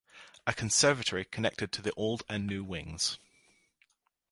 A conservatory connected the old and new wings.